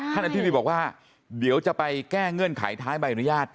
อธิบดีบอกว่าเดี๋ยวจะไปแก้เงื่อนไขท้ายใบอนุญาต